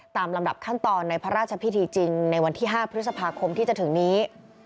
ลำดับขั้นตอนในพระราชพิธีจริงในวันที่๕พฤษภาคมที่จะถึงนี้